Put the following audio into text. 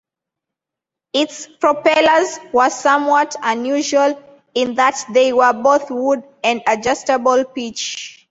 Its propellers were somewhat unusual in that they were both wood and adjustable pitch.